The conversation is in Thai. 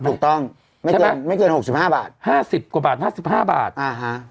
ถูกต้องใช่ไหมไม่เกินหกสิบห้าบาทห้าสิบกว่าบาทห้าสิบห้าบาทอ่าฮะ